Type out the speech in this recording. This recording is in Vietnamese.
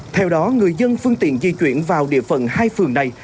theo đó người dân phương tiện di chuyển vào địa phận hai phường này